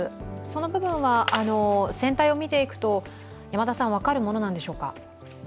その部分は、船体を見ていくと分かるものなんでしょうか？